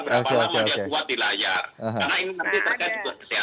dia kuat di layar karena ini